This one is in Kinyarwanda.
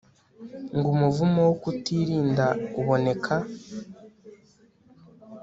ngo umuvumo wo kutirinda uboneka